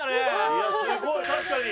いやすごい確かに。